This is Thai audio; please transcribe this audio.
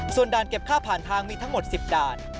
ส่วนด่านเก็บค่าผ่านทางมีทั้งหมด๑๐ด่าน